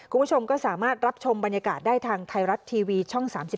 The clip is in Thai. คุณผู้ชมก็สามารถรับชมบรรยากาศได้ทางไทยรัฐทีวีช่อง๓๒